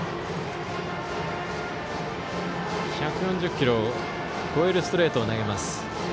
１４０キロを超えるストレートを投げます、湯田。